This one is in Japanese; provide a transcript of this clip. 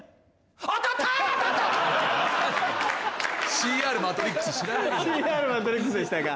ＣＲマトリックスでしたか。